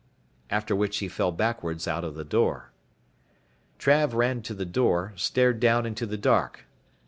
After which he fell backwards out of the door. Trav ran to the door, stared down into the dark.